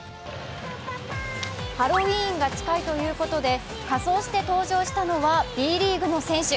ハロウィーンが近いということで仮装して登場したのはＢリーグの選手。